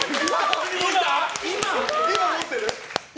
今、持ってる？